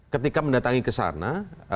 ketika mendatangi ke sana